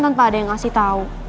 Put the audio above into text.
tanpa ada yang ngasih tahu